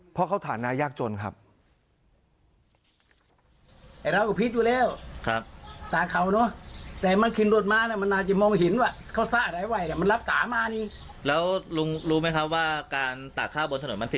เพราะเขาฐานะยากจนครับ